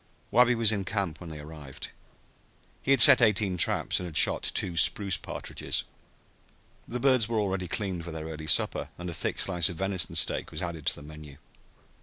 Wabi was in camp when they arrived. He had set eighteen traps and had shot two spruce partridges. The birds were already cleaned for their early supper, and a thick slice of venison steak was added to the menu.